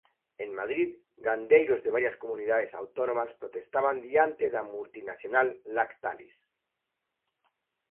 En Madrid, gandeiros de varias comunidades autónomas protestaban diante da multinacional Lactalis.